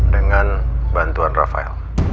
dengan bantuan rafael